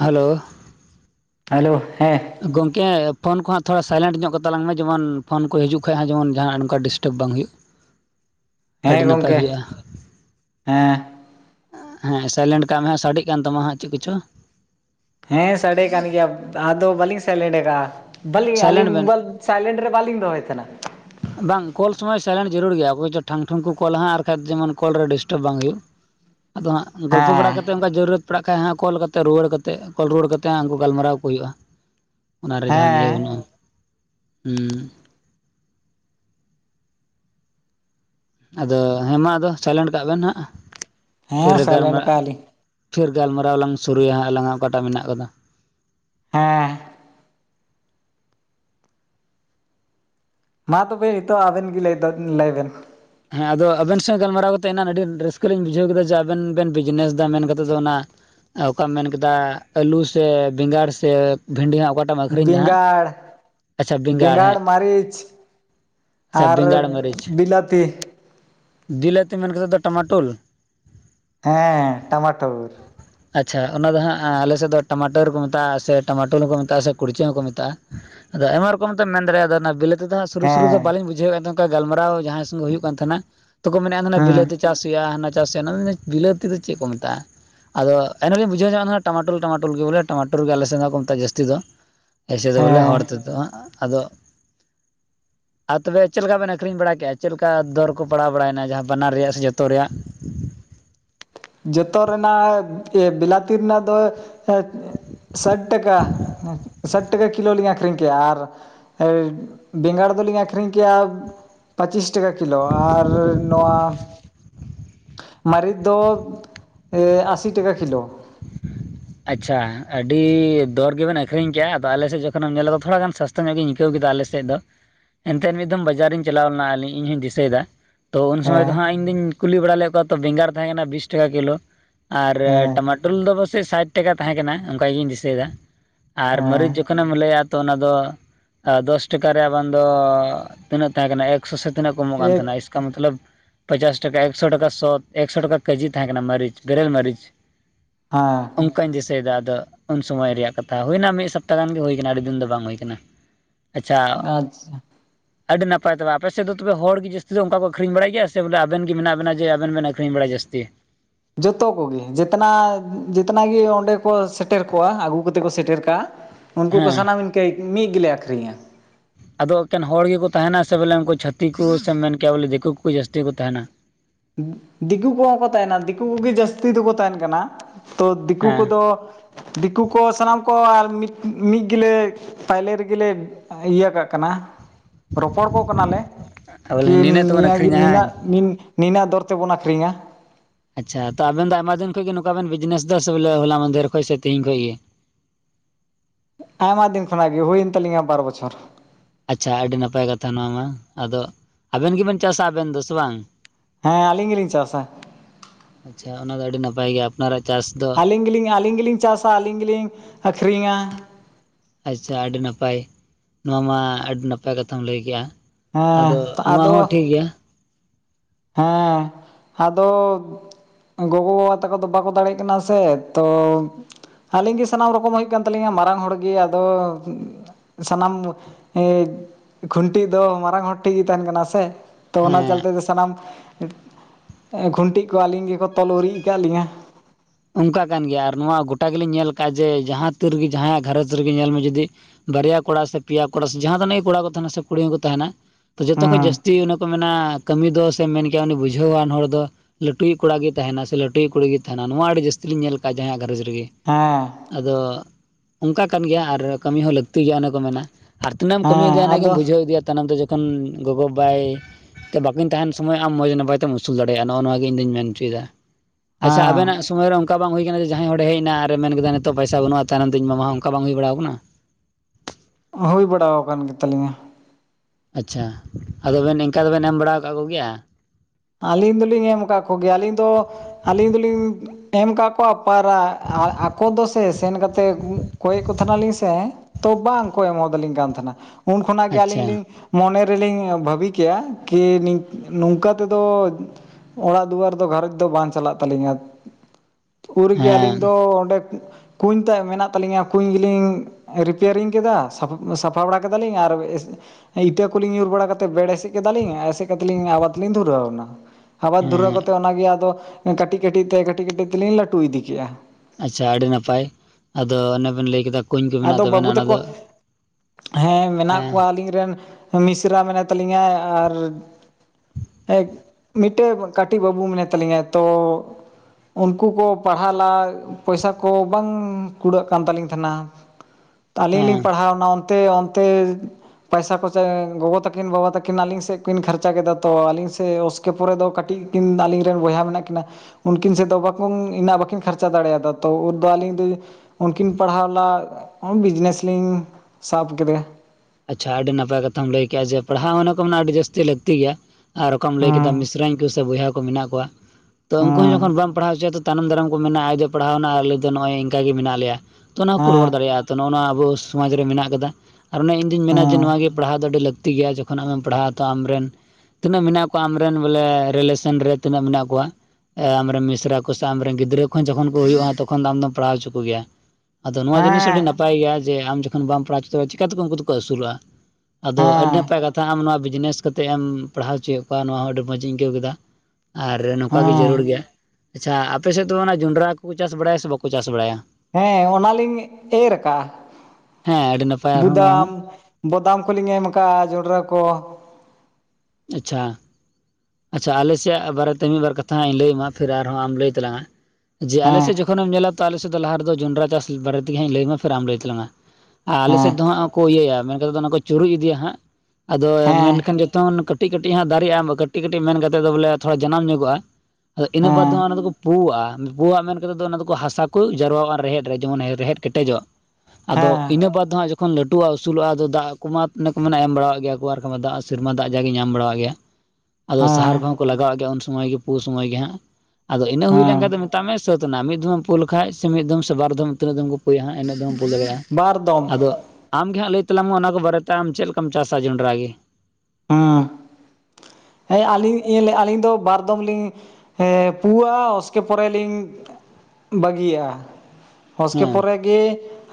Hello, hello ᱦᱮᱸ ᱜᱚᱝᱠᱮ phone ᱠᱚ ᱦᱟᱸᱜ ᱛᱷᱚᱲᱟ ᱥᱟᱭᱞᱮᱱᱴ ᱧᱚᱜ ᱠᱚᱛᱟᱞᱟᱝ ᱢᱮ ᱡᱮᱢᱚᱱ ᱯᱷᱳᱱ ᱠᱚ ᱦᱤᱡᱩᱜ ᱠᱷᱟᱭ ᱦᱟᱸᱜ ᱡᱮᱢᱚᱱ ᱡᱟᱦᱟᱱᱟᱜ ᱱᱚᱝᱠᱟ ᱰᱤᱥᱴᱟᱵ ᱵᱟᱝ ᱦᱩᱭᱩᱜ᱾ [inaudible] ᱦᱮᱸ ᱱᱟᱯᱟᱭ ᱜᱚᱝᱠᱮ ᱦᱩᱭᱩᱜᱼᱟ ᱦᱮᱸ, ᱦᱮᱸ ᱥᱟᱭᱞᱮᱱᱴ ᱠᱟᱜ ᱢᱮ ᱥᱟᱰᱮᱜ ᱠᱟᱱ ᱛᱟᱢᱟ ᱦᱟᱜ ᱪᱮᱫ ᱠᱚᱪᱷᱚ᱾ ᱦᱮᱸ ᱥᱟᱰᱮ ᱠᱟᱱ ᱜᱮᱭᱟ ᱟᱫᱚ ᱵᱟᱹᱞᱤᱧ ᱥᱟᱭᱞᱮᱱᱴ ᱠᱟᱜ ᱼᱟ ᱵᱟᱹᱞᱤᱧ ᱥᱟᱭᱞᱮᱱᱴ ᱟᱹᱞᱤᱧ, ᱵᱮᱱ ᱥᱟᱭᱞᱮᱱᱴ ᱨᱮ ᱵᱟᱞᱤᱧ ᱫᱚᱦᱚᱭᱮᱫ ᱛᱟᱦᱮᱱᱟ᱾ ᱵᱟᱝ ᱠᱚᱞ ᱥᱚᱢᱚᱭ ᱥᱟᱭᱞᱮᱱᱴ ᱡᱟᱨᱩᱲ ᱜᱮᱭᱟ ᱚᱠᱚᱭᱪᱚ ᱴᱷᱟᱝ ᱴᱷᱩᱝ ᱠᱚ ᱠᱚᱞᱟᱦᱟᱜ ᱟᱨ ᱠᱟᱷᱟᱭᱡ ᱡᱮᱢᱚᱱ ᱠᱚᱞ ᱨᱮ ᱰᱤᱥᱴᱟᱵ ᱵᱟᱝ ᱦᱩᱭᱩᱜ᱾ ᱟᱫᱚ ᱦᱟᱸᱜ ᱜᱚᱞᱯᱚ ᱵᱟᱲᱟ ᱦᱮᱸ ᱠᱟᱛᱮᱜ, ᱚᱱᱠᱟ ᱡᱟᱹᱨᱩᱨᱚᱛ ᱯᱟᱲᱟᱜ ᱠᱷᱟᱱ ᱦᱟᱸᱜ ᱠᱚᱞ ᱠᱟᱛᱮ ᱨᱩᱣᱟᱹᱲ ᱠᱟᱛᱮ ᱠᱚᱞ ᱨᱩᱣᱟᱹᱲ ᱠᱟᱛᱮ ᱦᱟᱸᱜ ᱩᱱᱠᱩ ᱜᱟᱞᱢᱟᱨᱟᱣ ᱠᱚ ᱦᱩᱭᱩᱜᱼᱟ᱾ ᱚᱱᱟᱨᱮ ᱡᱟᱦᱟᱱ ᱤᱭᱟᱹ ᱦᱮᱸ ᱵᱟᱹᱱᱩᱜᱼᱟ ᱦᱩᱸ᱾ ᱟᱫᱚ ᱦᱮᱸᱢᱟ ᱟᱫᱚ ᱥᱮᱟᱭᱞᱮᱱᱴ ᱠᱟᱜ ᱵᱮᱱ ᱦᱟᱸᱜ ᱦᱮᱸ ᱯᱷᱤᱨ ᱥᱟᱭᱞᱮᱱᱴ ᱜᱟᱞᱢᱟᱨᱟᱜ, ᱠᱟᱜᱼᱟ ᱞᱤᱧ ᱯᱷᱤᱨ ᱜᱟᱞᱢᱟᱨᱟᱣ ᱟᱞᱟᱝ ᱥᱩᱨᱩᱭᱟ ᱦᱟᱸᱜ ᱟᱞᱟᱝᱟᱜ ᱚᱠᱟᱴᱟᱜ ᱢᱮᱱᱟᱜ ᱟᱠᱟᱫᱟ᱾ ᱦᱮᱸ, ᱢᱟ ᱛᱚᱵᱮ ᱱᱤᱛᱚᱜ ᱟᱵᱮᱱ ᱜᱮ ᱞᱟᱹᱭ ᱞᱟᱹᱭᱵᱮᱱ᱾ ᱦᱮᱸ ᱟᱫᱚ ᱟᱵᱮᱱ ᱥᱟᱸᱣ ᱜᱟᱞᱢᱟᱨᱟᱣ ᱠᱟᱛᱮ ᱮᱱᱟᱱ ᱟᱹᱰᱤ ᱨᱟᱹᱥᱠᱟᱹ ᱞᱤᱧ ᱵᱩᱡᱷᱟᱹᱣ ᱠᱮᱫᱟ ᱡᱮ ᱟᱵᱮᱱ ᱵᱮᱱ ᱵᱤᱡᱱᱮᱥ ᱮᱫᱟ ᱢᱮᱱ ᱠᱟᱛᱮᱫ ᱫᱚ ᱚᱱᱟ, ᱚᱠᱟᱢ ᱢᱮᱱ ᱠᱮᱫᱟ ᱟᱹᱞᱩ ᱥᱮ ᱵᱮᱸᱜᱟᱲ ᱥᱮ ᱵᱷᱤᱱᱰᱤ ᱦᱚᱸ ᱚᱠᱟᱴᱟᱜ, ᱟᱹᱷᱨᱤᱧ ᱫᱟ ᱦᱟᱸᱜ ᱵᱮᱸᱜᱟᱲ ᱟᱪᱪᱷᱟ ᱵᱮᱸᱜᱟᱲ ᱦᱮᱸ, ᱟᱪᱪᱷᱟ ᱟᱨ ᱵᱮᱸᱜᱟᱲ ᱢᱟᱹᱨᱤᱪ ᱵᱤᱞᱟᱹᱛᱤ ᱵᱤᱞᱟᱹᱛᱤ ᱢᱮᱱ ᱠᱟᱛᱮ ᱫᱚ ᱴᱟᱢᱟᱴᱳᱞ᱾ ᱦᱮᱸ ᱦᱮᱸ ᱴᱟᱢᱟᱴᱳᱨ᱾ ᱟᱪᱪᱷᱟ ᱚᱱᱟ ᱫᱚ ᱦᱟᱸᱜ ᱟᱞᱮ ᱥᱮᱫ ᱫᱚ ᱴᱟᱢᱟᱴᱳᱨ ᱠᱚ ᱢᱮᱛᱟᱜᱼᱟ ᱥᱮ ᱴᱟᱢᱟᱴᱳᱞ ᱦᱚᱸᱠᱚ ᱢᱮᱛᱟᱜᱼᱟ ᱥᱮ ᱠᱩᱲᱪᱟᱹ ᱦᱚᱸᱠᱚ ᱢᱮᱛᱟᱜᱼᱟ᱾ ᱟᱫᱚ ᱟᱭᱢᱟ ᱨᱚᱠᱚᱢ ᱛᱮᱢ ᱢᱮᱱ ᱫᱟᱲᱮᱭᱟᱜᱼᱟ ᱟᱫᱚ ᱵᱤᱞᱟᱹᱛᱤ᱾ ᱱᱚᱛᱮᱫᱚ ᱥᱩᱨᱩ ᱥᱩᱨᱩ ᱨᱮ ᱫᱚ ᱦᱮᱸ ᱵᱟᱞᱤᱧ ᱵᱩᱡᱷᱟᱹᱣᱮᱫ ᱜᱟᱞᱢᱟᱨᱟᱣ ᱡᱟᱦᱟᱸ ᱥᱚᱸᱜᱮ ᱦᱩᱭᱩᱜ ᱠᱟᱱ ᱛᱟᱦᱮᱸᱱᱟ ᱛᱚᱠᱚ ᱢᱮᱱᱮᱫ ᱛᱟᱦᱮᱱᱟ ᱦᱮᱸ ᱵᱤᱞᱟᱹᱛᱤ, ᱪᱟᱥ ᱦᱩᱭᱩᱜᱼᱟ ᱦᱟᱱᱟ ᱪᱟᱥ ᱦᱩᱭᱩᱜᱼᱟ ᱵᱤᱞᱟᱹᱛᱤ ᱫᱚ ᱪᱮᱫ ᱠᱚ ᱢᱮᱛᱟᱜᱼᱟ᱾ ᱟᱫᱚ ᱮᱱᱦᱚᱞᱤᱧ ᱵᱩᱡᱷᱟᱹᱣ ᱧᱟᱢᱮᱫ ᱛᱟᱦᱮᱱᱟ ᱴᱟᱢᱟᱴᱩᱞ ᱴᱟᱢᱟᱴᱩᱞ ᱜᱮ ᱵᱚᱞᱮ ᱴᱟᱢᱟᱴᱩᱞ ᱜᱮ ᱟᱞᱮᱫ ᱫᱚ ᱠᱚ ᱢᱮᱛᱼᱟ ᱡᱟᱹᱥᱛᱤ ᱫᱚ᱾ ᱮᱥᱮ ᱫᱚ ᱵᱚᱞᱮ ᱦᱮᱸ ᱦᱚᱲ ᱛᱮᱫᱚ ᱦᱟᱜ᱾ ᱟᱫᱚ ᱟᱨ ᱛᱚᱵᱮ ᱪᱮᱫᱠᱟ ᱵᱮᱱ ᱟᱹᱠᱷᱨᱤᱧ ᱵᱟᱲᱟ ᱠᱮᱫᱮᱜᱼᱟ ᱪᱮᱫ ᱞᱮᱠᱟ ᱫᱚᱨ ᱠᱚ ᱯᱟᱲᱟᱣ ᱵᱟᱲᱟᱭᱟ, ᱱᱟ ᱡᱟᱦᱟᱸ ᱵᱟᱱᱟᱨ ᱨᱮᱭᱟᱜ ᱥᱮ ᱡᱚᱛᱚ ᱨᱮᱭᱟᱜ᱾ ᱡᱚᱛᱚ ᱨᱮᱱᱟᱜ ᱵᱤᱞᱟᱹᱛᱤ ᱨᱮᱱᱟᱜ ᱫᱚ, ᱥᱟᱴ ᱴᱟᱠᱟ ᱥᱟᱴ ᱴᱟᱠᱟ ᱠᱤᱞᱳ ᱞᱤᱧ ᱟᱠᱷ ᱟᱹᱠᱷᱨᱤᱧ ᱠᱮᱜᱼᱟ ᱟᱨ ᱵᱮᱸᱜᱟᱲ ᱫᱚ ᱫᱚᱞᱤᱧ ᱟᱹᱷᱨᱤᱧ ᱠᱮᱜᱼᱟ, ᱯᱟᱪᱤᱥ ᱴᱟᱠᱟ ᱠᱤᱞᱳ ᱟᱨ ᱱᱚᱣᱟ, ᱢᱟᱹᱨᱤᱪ ᱫᱚ ᱮ ᱟᱥᱤ ᱴᱟᱠᱟ ᱠᱤᱞᱳ, ᱟᱪᱪᱷᱟ ᱟᱹᱰᱤ ᱫᱚᱨ ᱜᱮᱵᱮᱱ ᱟᱹᱠᱷᱨᱤᱧ ᱠᱮᱜᱼᱟ ᱟᱫᱚ ᱟᱞᱮᱥᱮᱫ ᱡᱚᱠᱷᱚᱱᱮᱢ ᱧᱮᱞᱮᱫ ᱛᱷᱚᱲᱟ ᱜᱟᱱ ᱥᱚᱥᱛᱟ᱾ ᱛᱟ ᱧᱚᱜ ᱜᱤᱧ ᱟᱹᱭᱠᱟᱹᱣ ᱠᱮᱫᱟ ᱟᱞᱮ ᱥᱮᱫ ᱫᱚ ᱮᱱᱛᱮ ᱢᱤᱫ ᱫᱚᱢ ᱵᱟᱡᱟᱨᱤᱧ ᱪᱟᱞᱟᱣ ᱞᱮᱱᱟ ᱤᱧ ᱦᱚᱧ ᱫᱤᱥᱟᱹᱭᱮᱫᱟ᱾ ᱛᱚ ᱩᱱ ᱥᱚᱢᱚᱭ ᱫᱚ ᱦᱮᱸ ᱦᱟᱸᱜ ᱤᱧᱫᱩᱧ ᱠᱩᱞᱤ ᱵᱟᱲᱟ ᱞᱮᱫ ᱠᱚᱣᱟ ᱛᱚ ᱵᱮᱸᱜᱟᱲ ᱛᱟᱦᱮᱸ ᱠᱟᱱᱟ ᱵᱤᱥ ᱴᱟᱠᱟ ᱠᱤᱞᱳ, ᱟᱨ ᱦᱮᱸ ᱴᱟᱢᱟᱴᱳᱞ ᱫᱚ ᱯᱟᱥᱮᱡ ᱥᱟᱴ ᱴᱟᱠᱟ ᱛᱟᱦᱮᱸ ᱠᱟᱱᱟ ᱚᱱᱠᱟ ᱜᱤᱧ ᱫᱤᱥᱟᱹᱭᱮᱫᱟ᱾ ᱟᱨ ᱢᱟᱹᱨᱤᱪ ᱦᱮᱸ ᱡᱚᱠᱷᱚᱱᱮᱢ ᱞᱟᱹᱭᱟ ᱛᱚ ᱚᱱᱟ ᱫᱚ ᱫᱚᱥ ᱴᱟᱠᱟ ᱨᱮᱭᱟᱜ ᱵᱟᱢ, ᱫᱚ ᱛᱤᱱᱟᱹᱜ ᱛᱟᱦᱮᱸ ᱠᱟᱱᱟ ᱮᱠᱥᱚ ᱥᱮ ᱛᱤᱱᱟᱹᱜ ᱠᱚ ᱮᱢᱚᱜ ᱠᱟᱱ ᱮᱠ ᱛᱟᱦᱮᱱᱟ᱾ ᱠᱟ ᱢᱚᱛᱞᱚᱵ ᱯᱚᱪᱟᱥ ᱴᱟᱠᱟ ᱮᱠᱥᱚ ᱴᱟᱠᱟ ᱥᱚ ᱮᱠᱥᱚ ᱴᱟᱠᱟ ᱠᱮᱡᱤ ᱛᱟᱦᱮᱸ ᱠᱟᱱᱟ ᱢᱟᱹᱨᱤᱪ ᱵᱮᱨᱮᱞ ᱢᱟᱹᱨᱤᱪ᱾ ᱦᱚᱸ, ᱚᱱᱠᱟᱹᱧ ᱫᱤᱥᱟᱹᱭᱟ ᱟᱫᱚ, ᱩᱱ ᱥᱚᱢᱚᱭ ᱨᱮᱭᱟᱜ ᱠᱟᱛᱷᱟ ᱦᱩᱭᱱᱟ ᱢᱤᱫ ᱥᱚᱯᱛᱟᱦ ᱜᱟᱱ ᱜᱮ ᱦᱩᱭ ᱠᱟᱱᱟ ᱟᱹᱰᱤ ᱫᱤᱱ ᱫᱚ ᱵᱟᱝ ᱦᱩᱭ ᱠᱟᱱᱟ᱾ ᱟᱪᱪᱷᱟ, ᱟᱪᱪᱷᱟ ᱟᱹᱰᱤ ᱱᱟᱯᱟᱭ ᱛᱚᱵᱮ ᱟᱯᱮ ᱥᱮᱫ ᱫᱚ ᱛᱚᱵᱮ ᱦᱚᱲ ᱜᱮ ᱡᱟᱹᱥᱛᱤ ᱫᱚ ᱚᱱᱠᱟ ᱠᱚ ᱟᱹᱠᱷᱤᱧ ᱵᱟᱲᱟᱭ ᱜᱮ ᱥᱮ ᱵᱚᱞᱮ ᱟᱵᱮᱱ ᱜᱮ ᱢᱮᱱᱟᱜ ᱵᱮᱱᱟ ᱡᱮ ᱟᱵᱮᱱ ᱵᱮᱱ, ᱟᱹᱠᱷᱨᱤᱧ ᱵᱟᱲᱟᱭ ᱡᱟᱹᱥᱛᱤ᱾ ᱡᱚᱛᱚ ᱠᱚᱜᱮ ᱡᱮᱛᱱᱟ ᱡᱮᱛᱱᱟᱜ ᱜᱮ ᱚᱸᱰᱮ ᱠᱚ ᱥᱮᱴᱮᱨ ᱠᱚᱜᱼᱟ ᱟᱹᱜᱩ ᱠᱟᱛᱮᱫ ᱠᱚ ᱥᱮᱴᱮᱨ ᱠᱟᱜᱼᱟ᱾ ᱩᱱᱠᱩ ᱠᱚ ᱦᱮᱸ ᱥᱟᱱᱟᱢ ᱤᱱᱠᱟᱹ ᱢᱤᱫ ᱜᱮᱞᱮ ᱟᱠᱷᱨᱤᱧᱟ᱾ ᱟᱫᱚ ᱮᱠᱮᱱ ᱦᱚᱲ ᱜᱮᱠᱚ ᱛᱟᱦᱮᱸᱱᱟ ᱥᱮ ᱵᱚᱞᱮ ᱩᱱᱠᱩ ᱪᱷᱟᱹᱛᱤᱠ ᱠᱚ ᱥᱮᱢ ᱢᱮᱱ ᱠᱮᱭᱟ ᱵᱚᱞᱮ ᱫᱤᱠᱩ ᱠᱚ ᱡᱟᱹᱥᱛᱤ ᱠᱚ ᱛᱟᱦᱮᱸᱱᱟ ᱫᱤᱠᱩ ᱠᱚᱦᱚᱸ ᱠᱚ ᱛᱟᱦᱮᱱᱟ ᱫᱤᱠᱩ ᱠᱚᱜᱮ ᱡᱟᱹᱥᱛᱤ ᱫᱚᱠᱚ ᱛᱟᱦᱮᱸᱱ ᱠᱟᱱᱟ ᱛᱚ ᱫᱤᱠᱩ ᱦᱮᱸ ᱠᱚᱫᱚ, ᱫᱤᱠᱩ ᱠᱚ ᱥᱟᱱᱟᱢ ᱠᱚ ᱟᱨ ᱢᱤᱫ ᱢᱤᱫ ᱜᱮᱞᱮ ᱯᱟᱭᱞᱮ ᱨᱮᱜᱮᱞᱮ, ᱤᱭᱟᱹ ᱠᱟᱜ ᱠᱟᱱᱟ ᱨᱚᱯᱚᱲ ᱠᱚᱜ ᱠᱟᱱᱟᱞᱮ ᱵᱚᱞᱮ ᱠᱤ ᱱᱤᱱᱟᱹᱜ ᱛᱮᱵᱚᱱ ᱱᱤᱭᱟᱹ ᱜᱮ ᱟᱹᱠᱷᱨᱤᱧᱟ ᱱᱤᱱᱟᱹᱜ ᱦᱟᱝ ᱱᱤᱱ ᱱᱤᱱᱟᱹᱜ ᱫᱚᱨ ᱛᱮᱵᱚᱱ ᱟᱹᱠᱷᱨᱤᱧᱟ, ᱟᱪᱪᱷᱟ ᱛᱚ ᱟᱵᱮᱱ ᱫᱚ ᱟᱭᱢᱟ ᱫᱤᱱ ᱠᱷᱚᱱ ᱜᱮ ᱱᱚᱝᱠᱟ ᱵᱮᱱ ᱵᱤᱡᱽᱱᱮᱥ ᱫᱟ ᱥᱮ ᱵᱚᱞᱮ ᱦᱚᱞᱟ ᱢᱟᱫᱮᱨ ᱠᱷᱚᱱ ᱥᱮ ᱛᱤᱦᱤᱧ ᱠᱷᱚᱡ ᱜᱮ, ᱟᱭᱢᱟ ᱫᱤᱱ ᱠᱷᱚᱱᱟᱜ ᱜᱮ ᱦᱩᱭᱮᱱ ᱛᱟᱹᱞᱤᱧᱟ ᱵᱟᱨ ᱵᱚᱪᱷᱚᱨ, ᱟᱪᱪᱷᱟ ᱟᱹᱰᱤ ᱱᱟᱯᱟᱭ ᱠᱟᱛᱷᱟ ᱱᱚᱣᱟ ᱢᱟ ᱟᱫᱚ ᱟᱵᱮᱱ ᱜᱮᱵᱮᱱ ᱪᱟᱥᱟ ᱟᱵᱮᱱ ᱫᱚ ᱥᱮ ᱵᱟᱝ, ᱦᱮᱸ ᱟᱹᱞᱤᱧ ᱜᱮᱞᱤᱧ ᱪᱟᱥᱟ, ᱟᱪᱪᱷᱟ ᱚᱱᱟ ᱫᱚ ᱟᱹᱰᱤ ᱱᱟᱯᱟᱭ ᱜᱮᱭᱟ, ᱚᱱᱟ ᱨᱮᱭᱟᱜ ᱪᱟᱥ ᱫᱚ ᱟᱹᱞᱤᱧ ᱜᱮᱞᱤᱧ ᱟᱹᱞᱤᱧ ᱜᱮᱞᱤᱧ ᱪᱟᱥᱟ ᱟᱹᱞᱤᱧ ᱜᱮᱞᱤᱧ ᱟᱹᱠᱷᱨᱤᱧᱟ, ᱟᱪᱪᱷᱟ ᱟᱹᱰᱤ ᱱᱟᱯᱟᱭ ᱱᱚᱣᱟ ᱢᱟ ᱟᱹᱰᱤ ᱱᱟᱯᱟᱭ ᱠᱟᱛᱷᱟᱢ ᱞᱟᱹᱭ ᱠᱮᱜᱼᱟ, ᱟᱫᱚ ᱦᱮᱸ ᱱᱚᱣᱟ ᱟᱫᱚ ᱦᱚᱸ ᱴᱷᱤᱠ ᱜᱮᱭᱟ, ᱦᱮᱸ ᱟᱫᱚ, ᱜᱚᱜᱚ ᱵᱟᱵᱟ ᱛᱟᱠᱚ ᱫᱚ ᱵᱟᱠᱚ ᱫᱟᱲᱮᱭᱟᱜ ᱠᱟᱱᱟ ᱥᱮ ᱛᱚ, ᱟᱹᱞᱤᱧ ᱜᱮ ᱥᱟᱱᱟᱢ ᱨᱚᱠᱚᱢ ᱦᱩᱭᱩᱜ ᱠᱟᱱ ᱛᱟᱹᱞᱤᱧᱟ ᱢᱟᱨᱟᱝ ᱦᱚᱲᱜᱮ ᱟᱫᱚ, ᱥᱟᱱᱟᱢ ᱠᱷᱩᱱᱴᱤᱜ ᱫᱚ ᱢᱟᱨᱟᱝ ᱦᱚᱲ ᱴᱷᱮᱱ ᱜᱮ ᱛᱟᱦᱮᱸᱱ ᱠᱟᱱᱟ ᱥᱮ, ᱛᱚ ᱚᱱᱟ ᱦᱮᱸ ᱪᱟᱞᱛᱮ ᱫᱚ ᱥᱟᱱᱟᱢ ᱠᱷᱩᱱᱴᱤᱜ ᱠᱚ ᱟᱹᱞᱤᱧ ᱜᱮᱠᱚ ᱛᱚᱞ ᱩᱨᱤᱡ ᱟᱠᱟᱫ ᱞᱤᱧᱟᱹ ᱚᱱᱠᱟ ᱠᱟᱱ ᱜᱮᱭᱟ ᱟᱨ ᱱᱚᱣᱟ ᱜᱚᱴᱟ ᱜᱮᱞᱤᱧ ᱧᱮᱞ ᱟᱠᱟᱫᱼᱟ ᱡᱮ ᱡᱟᱦᱟᱸ ᱛᱤ ᱨᱮᱜᱮ ᱡᱟᱦᱟᱸᱭᱟᱜ ᱜᱷᱟᱨᱚᱸᱡᱽ ᱨᱮᱜᱮ ᱧᱮᱞ ᱢᱮ ᱡᱩᱫᱤ, ᱵᱟᱨᱭᱟ ᱠᱚᱲᱟ ᱥᱮ ᱯᱮᱭᱟ ᱠᱚᱲᱟ ᱥᱮ ᱡᱟᱦᱟᱸ ᱛᱤᱱᱟᱹᱜ ᱜᱮ ᱠᱚᱲᱟ ᱠᱚ ᱛᱟᱦᱮᱱᱟ ᱥᱮ ᱠᱩᱲᱤ ᱦᱚᱸ ᱠᱚ ᱛᱟᱦᱮᱱᱟ, ᱛᱚ ᱡᱚᱛᱚ ᱠᱷᱚᱡ ᱦᱮᱸ ᱡᱟᱹᱥᱛᱤ ᱠᱚ ᱢᱮᱱᱟ, ᱠᱟᱹᱢᱤ ᱫᱚ ᱥᱮ ᱢᱮᱱ ᱠᱮᱭᱟ ᱩᱱᱤ ᱵᱩᱡᱷᱟᱹᱣᱟᱱ ᱦᱚᱲ ᱫᱚ ᱞᱟᱹᱴᱩᱭᱤᱡ ᱠᱚᱲᱟ ᱜᱮ ᱛᱟᱦᱮᱸᱱᱟ ᱥᱮ ᱞᱟᱹᱴᱩᱭᱤᱡ ᱠᱩᱲᱤ ᱜᱮ ᱛᱟᱦᱮᱸᱱᱟ᱾ ᱱᱚᱣᱟ ᱟᱹᱰᱤ ᱡᱟᱹᱥᱛᱤᱞᱤᱧ ᱧᱮᱞ ᱠᱟᱜ ᱡᱟᱦᱟᱸᱭᱟᱜ ᱜᱷᱟᱨᱚᱸᱡᱽ ᱨᱮᱜᱮ, ᱦᱮᱸ ᱟᱫᱚ ᱚᱱᱠᱟ ᱠᱟᱱ ᱜᱮᱭᱟ ᱟᱨ ᱠᱟᱹᱢᱤ ᱦᱚᱸ ᱞᱟᱹᱠᱛᱤ ᱜᱮᱭᱟ ᱚᱱᱮ ᱠᱚ ᱢᱮᱱᱟ, ᱟᱨ ᱛᱤᱱᱟᱹᱜ ᱮᱢ ᱠᱟᱹᱢᱤ ᱦᱮᱸ ᱤᱫᱤᱭᱟ ᱚᱱᱟᱜ ᱜᱮᱢ ᱟᱫᱚ ᱵᱩᱡᱷᱟᱹᱣ ᱤᱫᱤᱭᱟ ᱛᱟᱭᱚᱢ ᱛᱮ ᱡᱚᱠᱷᱚᱱ ᱜᱚᱜᱚ ᱵᱟᱵᱟᱭ, ᱵᱟᱠᱤᱱ ᱛᱟᱸᱦᱮᱱ ᱥᱚᱢᱚᱭ ᱟᱢ ᱢᱚᱸᱡᱽ ᱱᱟᱯᱟᱭ ᱛᱮᱢ ᱟᱹᱥᱩᱞ ᱫᱟᱲᱮᱭᱟᱜᱼᱟ ᱱᱚᱜᱼᱚ ᱱᱚᱣᱟ ᱜᱮ ᱤᱧ ᱫᱚᱧ ᱢᱮᱱ ᱦᱚᱪᱚᱭᱮᱫᱟ ᱟᱪᱪᱷᱟ ᱦᱮᱸ ᱟᱵᱮᱱᱟᱜ, ᱚᱱᱟ ᱥᱚᱢᱚᱭ ᱨᱮ ᱚᱱᱠᱟ ᱵᱟᱝ ᱦᱩᱭ ᱟᱠᱟᱱᱟ ᱡᱟᱦᱟᱸᱭ ᱦᱚᱲ ᱮ ᱦᱮᱡ ᱮᱱᱟ ᱟᱨᱮ ᱢᱮᱱ ᱠᱮᱫᱟ ᱱᱤᱛᱚᱜ ᱯᱩᱭᱥᱟ ᱵᱟᱹᱱᱩᱜᱼᱟ ᱛᱟᱭᱱᱚᱢ ᱛᱮᱧ ᱮᱢᱟᱢᱟ ᱚᱱᱠᱟ ᱵᱟᱝ ᱦᱩᱭ ᱵᱟᱲᱟᱣ ᱟᱠᱟᱱᱟ ᱦᱩᱭ ᱵᱟᱲᱟᱣ ᱟᱠᱟᱱ ᱜᱮ ᱛᱟᱞᱤᱧᱟ, ᱟᱪᱪᱷᱟ ᱟᱫᱚᱵᱮᱱ ᱤᱱᱠᱟ ᱫᱚᱵᱮᱱ ᱮᱢ ᱵᱟᱲᱟ ᱟᱠᱟᱫ ᱠᱚ ᱜᱮᱭᱟ ᱟᱹᱞᱤᱧ ᱫᱚᱞᱤᱧ ᱮᱢ ᱟᱠᱟᱫ ᱠᱚᱜᱮᱭᱟ ᱟᱹᱞᱤᱧ ᱫᱚ ᱟᱹᱞᱤᱧ ᱫᱚᱞᱤᱧ, ᱮᱢ ᱠᱟᱫ ᱠᱚᱣᱟ ᱯᱟᱨ ᱟᱠᱚ ᱫᱚᱥᱮ ᱥᱮᱱ ᱠᱟᱛᱮᱫ ᱠᱚᱭᱮᱫ ᱠᱚ ᱛᱟᱦᱮᱛ ᱞᱤᱧ ᱥᱮ, ᱛᱚ ᱵᱟᱝᱠᱚ ᱮᱢ ᱦᱚᱛ ᱟᱞᱤᱧ ᱠᱟᱱ ᱛᱟᱦᱮᱸᱱᱟ ᱩᱱ ᱠᱷᱚᱱᱟᱜ ᱜᱮ ᱟᱹᱞᱤᱧ ᱟᱪᱪᱷᱟ ᱞᱤᱧ ᱢᱚᱱᱮ ᱨᱮᱞᱤᱧ ᱵᱷᱟᱹᱵᱤ ᱠᱮᱼᱟ ᱠᱤ ᱱᱚᱝᱠᱟ, ᱛᱮᱫᱚ ᱚᱲᱟᱜ ᱫᱩᱣᱟᱹᱨ ᱫᱚ ᱜᱷᱟᱨᱚᱸᱡᱽ ᱫᱚ ᱵᱟᱝ ᱪᱟᱞᱟᱜ ᱛᱟᱹᱞᱤᱧᱟ, ᱩᱨᱜᱮ ᱦᱮᱸ ᱟᱹᱞᱤᱧ ᱫᱚ ᱚᱸᱰᱮ ᱠᱩᱧ ᱛᱟᱭ ᱢᱮᱱᱟᱜ ᱛᱟᱹᱞᱤᱧᱟ ᱠᱩᱧ ᱜᱮᱞᱤᱧ, ᱨᱤᱯᱮᱭᱟᱨᱤᱝ ᱠᱮᱫᱟ ᱥᱟᱯᱷᱟ ᱵᱟᱲᱟ ᱠᱮᱫᱟᱞᱤᱧ ᱟᱨ ᱮᱥ- ᱤᱛᱟᱹ ᱠᱚᱞᱤᱧ ᱧᱩᱨ ᱵᱟᱲᱟ ᱠᱟᱛᱮᱫ ᱵᱮᱲ ᱮᱥᱮᱫ ᱠᱮᱫᱟ ᱟᱞᱤᱧ ᱮᱥᱮᱫ ᱠᱟᱛᱮ ᱞᱤᱧ ᱟᱵᱟᱫ ᱞᱤᱧ ᱫᱷᱩᱨᱟᱹᱣ ᱮᱱᱟ ᱟᱵᱟᱫᱽ ᱫᱷᱩᱨᱟᱹᱣ ᱦᱮᱸ ᱠᱟᱛᱮ ᱚᱱᱟᱜᱮ ᱟᱫᱚ ᱠᱟᱹᱴᱤᱡ ᱠᱟᱹᱴᱤᱡ ᱛᱮ ᱠᱟᱹᱴᱤᱡ ᱠᱟᱹᱴᱤᱡ ᱛᱮᱞᱤᱧ ᱞᱟᱹᱴᱩ ᱤᱫᱤ ᱠᱮᱫᱮᱜᱼᱟ, ᱟᱪᱪᱷᱟ ᱟᱹᱰᱤ ᱱᱟᱯᱟᱭ ᱟᱫᱚ ᱚᱱᱮ ᱵᱮᱱ ᱞᱟᱹᱭ ᱠᱮᱫᱟ ᱠᱩᱧ ᱠᱚ ᱢᱮᱱᱟᱜ ᱟᱫᱚ ᱛᱟᱵᱮᱱᱟ ᱵᱟᱹᱵᱩ ᱚᱱᱟ ᱫᱚ, ᱛᱟᱠᱚ ᱦᱮᱸ ᱢᱮᱱᱟᱜ ᱦᱮᱸ ᱠᱚᱣᱟ ᱟᱹᱞᱤᱧ ᱨᱮᱱ ᱢᱤᱥᱨᱟ ᱢᱮᱱᱟᱭ ᱛᱟᱞᱤᱧᱟ ᱟᱨ, ᱦᱮᱸ ᱢᱤᱫᱴᱮᱜ ᱠᱟᱹᱴᱤᱡ ᱵᱟᱹᱵᱩ ᱢᱮᱱᱟᱭ ᱛᱟᱞᱤᱧᱟ ᱛᱚ, ᱩᱱᱠᱩ ᱠᱚ ᱯᱟᱲᱦᱟᱣ ᱞᱟ ᱯᱚᱭᱥᱟ ᱠᱚ ᱵᱟᱝ ᱠᱩᱲᱟᱹᱜ ᱠᱟᱱ ᱛᱟᱹᱟᱞᱤᱧ ᱛᱟᱦᱮᱸᱱᱟ ᱛᱚ ᱟᱹᱞᱤᱧ ᱞᱤᱧ ᱦᱮᱸ ᱯᱟᱲᱦᱟᱣᱱᱟ ᱚᱱᱛᱮ ᱚᱱᱛᱮ, ᱯᱚᱭᱥᱟ ᱯᱟᱥᱮᱫ ᱜᱚᱜᱚ ᱛᱟᱹᱠᱤᱱ ᱵᱟᱵᱟ ᱛᱟᱹᱠᱤᱱ ᱟᱹᱞᱤᱧ ᱥᱮᱫ ᱠᱤᱱ ᱠᱷᱚᱨᱪᱟ ᱠᱮᱫᱟ ᱛᱚ ᱟᱞᱤᱧ ᱥᱮᱫ ᱠᱮ ᱯᱚᱨᱮ ᱫᱚ ᱠᱟᱹᱴᱤᱡ ᱠᱤᱱ ᱟᱹᱞᱤᱧ ᱨᱮᱱ ᱵᱚᱭᱦᱟ ᱢᱮᱱᱟᱜ ᱠᱤᱱᱟ, ᱩᱱᱠᱤᱱ ᱥᱮᱫ ᱫᱚ ᱵᱟᱹᱠᱤᱱ ᱩᱱᱟᱹᱜ ᱠᱷᱟᱨᱪᱟ ᱫᱟᱲᱮᱭᱟᱫᱟ ᱛᱚ ᱩᱱᱫᱚ ᱟᱹᱞᱤᱧ ᱫᱚ ᱩᱱᱠᱤᱱ ᱯᱟᱲᱦᱟᱣ ᱞᱟ ᱵᱤᱡᱽᱱᱮᱥ ᱞᱤᱧ ᱥᱟᱵ ᱠᱮᱫᱟᱭᱟ᱾ ᱟᱪᱪᱷᱟ ᱟᱹᱰᱤ ᱱᱟᱯᱟᱭ ᱠᱟᱛᱷᱟᱢ ᱞᱟᱹᱭ ᱠᱮᱜᱼᱟ ᱡᱮ ᱯᱟᱲᱦᱟᱣ ᱚᱱᱟ ᱠᱚ ᱟᱹᱰᱤ ᱡᱟᱹᱥᱛᱤ ᱞᱟᱹᱠᱛᱤ ᱜᱮᱭᱟ᱾ ᱟᱨ ᱚᱠᱟᱢ ᱞᱟᱹᱭ ᱠᱮᱫᱟ ᱦᱮᱸ ᱢᱤᱥᱨᱟᱧ ᱠᱚ ᱥᱮ ᱵᱚᱭᱦᱟ ᱠᱚ ᱢᱮᱱᱟᱜ ᱠᱚᱣᱟ ᱛᱚ ᱩᱱᱠᱩ ᱦᱚᱸ ᱦᱮᱸ ᱡᱚᱠᱷᱚᱱ ᱵᱟᱢ ᱯᱟᱲᱦᱟᱣ ᱦᱚᱪᱚᱭᱟ ᱛᱟᱭᱱᱚᱢ ᱫᱟᱨᱟᱢ ᱠᱚ ᱢᱮᱱᱟᱜᱼᱟ ᱟᱡ ᱫᱚᱭ ᱯᱟᱲᱦᱟᱣ ᱮᱱᱟ ᱟᱞᱮᱫᱚ ᱱᱚᱜᱼᱚᱭ ᱤᱱᱠᱟᱹ ᱜᱮ ᱢᱮᱱᱟᱜ ᱞᱮᱭᱟ ᱛᱚ ᱚᱱᱟᱠᱚ ᱨᱚᱲ ᱦᱮᱸ ᱫᱟᱲᱮᱭᱟᱜᱼᱟ᱾ ᱛᱚ ᱱᱚᱜᱼ ᱱᱚᱣᱟ ᱟᱵᱚ ᱥᱚᱢᱟᱡ ᱨᱮ ᱛᱚ ᱦᱚᱸᱱᱣᱟ ᱢᱮᱱᱟᱜ ᱟᱠᱟᱫᱟ ᱟᱨ ᱚᱱᱮ ᱤᱧ ᱫᱩᱧ ᱢᱮᱱᱟ ᱡᱮ ᱦᱮᱸ ᱱᱚᱣᱟ ᱜᱮ ᱯᱟᱲᱦᱟᱣ ᱫᱚ ᱟᱹᱰᱤ ᱞᱟᱹᱠᱛᱤ ᱜᱮᱭᱟ᱾ ᱠᱷᱚᱱᱟᱜ ᱯᱟᱲᱦᱟᱣ ᱛᱚ ᱟᱢ ᱨᱮᱱ ᱛᱤᱱᱟᱹᱜ ᱢᱮᱱᱟᱜ ᱠᱚᱶᱟ ᱵᱚᱞᱮ ᱨᱤᱞᱮᱥᱚᱱ ᱨᱮ ᱛᱤᱱᱟᱹᱜ ᱢᱮᱱᱟᱜ ᱠᱚᱣᱟ ᱟᱢᱨᱮ ᱢᱤᱥᱨᱟ ᱠᱚ ᱥᱮ ᱟᱢᱨᱮᱱ ᱜᱤᱫᱽᱨᱟᱹ ᱡᱚᱠᱷᱚᱱ ᱠᱚ ᱦᱩᱭᱩᱜᱼᱟ ᱛᱚᱠᱷᱚᱱ ᱫᱚ ᱟᱢ ᱫᱚᱢ ᱯᱟᱲᱦᱟᱣ ᱦᱚᱪᱚ ᱠᱚ ᱜᱮᱭᱟ᱾ ᱟᱫᱚ ᱱᱚᱣᱟ ᱡᱤᱱᱤᱥ ᱟᱹᱰᱤ ᱦᱮᱸ ᱱᱟᱯᱟᱭ ᱱᱟᱯᱟᱭ ᱜᱮᱭᱟ ᱡᱮ ᱟᱢ ᱡᱚᱠᱷᱚᱱ ᱵᱟᱢ ᱯᱟᱲᱦᱟᱣ ᱦᱚᱪᱚ ᱫᱟᱲᱮᱶ ᱠᱚᱶᱟ ᱪᱮᱠᱟ ᱛᱮ ᱠᱚ ᱩᱱᱠᱩ ᱫᱚᱠᱚ ᱟᱹᱥᱩᱞᱚᱜᱼᱟ, ᱟᱫᱚ ᱟᱹᱰᱤ ᱦᱮᱸ ᱱᱟᱯᱟᱭ ᱠᱟᱛᱷᱟ᱾ ᱛᱟ ᱟᱢ ᱱᱚᱣᱟ ᱵᱤᱡᱽᱱᱮᱥ ᱠᱟᱛᱮᱜ ᱮᱢ ᱯᱟᱲᱦᱟᱣ ᱚᱪᱚᱭᱮᱫ ᱠᱚᱣᱟ ᱱᱚᱣᱟ ᱦᱚᱸ ᱟᱹᱰᱤ ᱢᱚᱸᱡᱽ ᱤᱧ ᱟᱹᱭᱠᱟᱹᱣ ᱠᱮᱫᱟ᱾ ᱟᱨ ᱱᱚᱝᱠᱟ ᱜᱮ ᱡᱟᱹᱨᱩᱲ ᱦᱮᱸ ᱜᱮ᱾ ᱟᱪᱪᱷᱟ ᱟᱯᱮ ᱥᱮᱫ ᱫᱚ ᱚᱱᱟ ᱡᱚᱸᱰᱨᱟ ᱠᱚᱠᱚ ᱪᱟᱥ ᱵᱟᱲᱟᱭᱟ ᱥᱮ ᱵᱟᱠᱚ ᱪᱟᱥ ᱵᱟᱲᱟᱭᱟ? ᱦᱮᱸ ᱚᱱᱟᱞᱤᱧ ᱮᱨ ᱠᱟᱜᱼᱟ, ᱦᱮᱸ ᱟᱹᱰᱤ ᱱᱟᱯᱟᱭ ᱟᱨᱦᱚᱸ ᱱᱚᱣᱟ ᱵᱩᱫᱟᱢ ᱦᱚᱸ ᱵᱚᱫᱟᱢ ᱠᱚᱞᱤᱧ ᱮᱢ ᱟᱠᱟ ᱟᱜᱼᱟ ᱡᱚᱱᱰᱨᱟ ᱠᱚ, ᱟᱪᱪᱷᱟ ᱟᱪᱪᱷᱟ ᱟᱞᱮ ᱥᱮᱫ ᱵᱟᱨᱮᱛᱮ ᱢᱤᱫ ᱵᱟᱨ ᱠᱟᱛᱷᱟ ᱦᱟᱸᱜ ᱤᱧ ᱞᱟᱹᱭ ᱟᱢᱟ ᱯᱷᱤᱨ ᱟᱨᱦᱚᱸ ᱟᱢ ᱞᱟᱹᱭ ᱛᱟᱞᱟᱝᱼᱟ᱾ ᱡᱮ ᱦᱮᱸ ᱟᱞᱮᱥᱮᱫ ᱡᱚᱠᱷᱚᱱᱮᱢ ᱧᱮᱞᱟ ᱛᱚᱠᱷᱚᱱ ᱟᱞᱮᱥᱮᱫ ᱫᱚ ᱞᱟᱦᱟ ᱨᱮᱫᱚ ᱡᱚᱸᱱᱰᱨᱟ ᱪᱟᱥ ᱵᱟᱨᱮ ᱛᱮᱜᱮ ᱦᱟᱸᱜ ᱞᱟᱹᱭ ᱟᱢ ᱯᱷᱤᱨ ᱟᱢ ᱞᱟᱹᱭ ᱛᱟᱞᱟᱝᱼᱟ᱾ ᱟᱨ ᱟᱞᱮ ᱦᱮᱸ ᱥᱮᱫ ᱫᱚ ᱦᱟᱸᱜ ᱠᱚ ᱤᱭᱟᱹᱭᱟ ᱢᱮᱱᱠᱷᱮᱫ ᱫᱚ ᱚᱱᱟ ᱠᱚ ᱪᱩᱨᱩᱡ ᱤᱫᱤᱭᱟ ᱦᱟᱸᱜ ᱟᱫᱚ ᱦᱮᱸ ᱢᱮᱱᱠᱷᱟᱱ ᱡᱚᱛᱚ ᱠᱟᱹᱴᱤᱡ ᱠᱟᱹᱴᱤᱡ ᱦᱟᱸᱜ ᱫᱟᱨᱮᱼᱟ ᱠᱟᱹᱴᱤᱡ ᱠᱟᱹᱴᱤᱡ ᱢᱮᱱ ᱠᱟᱛᱮᱫ ᱫᱚ ᱵᱚᱞᱮ ᱛᱷᱚᱲᱟ ᱡᱟᱱᱟᱢ ᱧᱚᱜᱚᱜᱼᱟ᱾ ᱟᱫᱚ ᱤᱱᱟᱹ ᱵᱟᱫᱽ ᱦᱮᱸ ᱚᱱᱟ ᱫᱚᱠᱚ ᱯᱩᱣ ᱟᱜ ᱯᱩᱣ ᱟᱜ ᱢᱮᱱ ᱠᱟᱛᱮᱫ ᱫᱚ ᱚᱱᱟ ᱫᱚ ᱦᱟᱥᱟ ᱠᱚ ᱡᱟᱣᱨᱟᱜᱼᱟ ᱨᱮᱦᱮᱫ ᱨᱮ ᱡᱮᱢᱚᱱ ᱨᱮᱦᱮᱫ ᱠᱮᱴᱮᱡᱚᱜ᱾ ᱟᱫᱚ ᱦᱮᱸ ᱤᱱᱟᱹ ᱵᱟᱫ ᱫᱚ ᱦᱟᱸᱜ ᱮᱠᱷᱚᱱ ᱞᱟᱹᱴᱩᱣᱟᱜ ᱟᱹᱥᱩᱞᱚᱜᱼᱟ ᱟᱫᱚ ᱫᱟᱜ ᱠᱚ ᱮᱢ ᱵᱟᱲᱟᱜ ᱜᱮᱭᱟ ᱠᱚ ᱫᱟᱜ ᱥᱮᱨᱢᱟ ᱫᱟᱜ᱾ ᱡᱟᱜᱮ ᱧᱟᱢ ᱵᱟᱲᱟᱣᱟᱜ ᱜᱮᱭᱟ ᱟᱫᱚ ᱥᱟᱦᱟᱨ ᱦᱮᱸ ᱠᱚᱦᱚᱸ ᱠᱚ ᱞᱟᱜᱟᱣᱟᱜ ᱜᱮᱭᱟ ᱩᱱ ᱥᱚᱢᱚᱭ ᱜᱮ ᱯᱳᱥ ᱥᱚᱢᱚᱭ ᱜᱮ ᱦᱟᱸᱜ᱾ ᱟᱫᱚ ᱤᱱᱟᱹ ᱦᱩᱭ ᱞᱮᱱᱠᱷᱟᱱ ᱦᱮᱸ ᱫᱚ ᱢᱮᱛᱟᱜ ᱢᱮ ᱥᱟᱹᱛ ᱮᱱᱟ ᱢᱤᱫ ᱫᱷᱚᱢ ᱮᱢ ᱯᱩ ᱞᱮᱠᱷᱟᱡ ᱥᱮ ᱢᱤᱫ ᱫᱷᱚᱢ ᱥᱮ ᱵᱟᱨ ᱫᱷᱚᱢ ᱛᱤᱱᱟᱹᱜ ᱫᱷᱚᱢ ᱠᱚ ᱯᱩᱭᱟ ᱦᱟᱸᱜ᱾ ᱵᱩᱞ ᱫᱟᱲᱮᱭᱟᱜᱼᱟ ᱵᱟᱨ ᱫᱚᱢ ᱟᱫᱚ ᱟᱢ ᱜᱮ ᱦᱟᱸᱜ ᱞᱟᱹᱭ ᱛᱟᱞᱟᱝ ᱢᱮ ᱚᱱᱟ ᱠᱚ ᱵᱟᱨᱮᱛᱮ ᱟᱢ ᱪᱮᱜ ᱞᱮᱠᱟᱢ ᱪᱟᱥᱟ ᱡᱚᱸᱰᱨᱟ ᱜᱤ? ᱦᱩᱸ ᱦᱮᱸ ᱟᱞᱤᱧ ᱤᱧ ᱟᱞᱤᱧ ᱫᱚ ᱵᱟᱨ ᱫᱚᱢ ᱞᱤᱧ ᱯᱩᱣᱟᱜᱼᱟ ᱩᱥᱠᱮ ᱯᱚᱨᱮ ᱞᱤᱧ ᱵᱟᱹᱜᱤᱭᱟᱜᱼᱟ, ᱩᱥᱠᱮ ᱦᱮᱸ ᱯᱚᱨᱮ ᱜᱮ